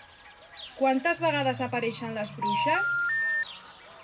Quantes vegades apareixen les bruixes?